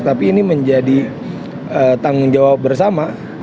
tapi ini menjadi tanggung jawab bersama